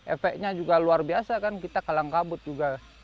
efeknya juga luar biasa kan kita kalang kabut juga